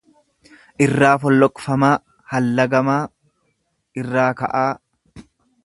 irraa folloqfamaa, hallagamaa, irraa ka'aa.